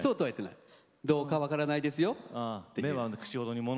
どうか分からないですよ。